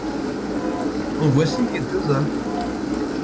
En voici quelques-uns.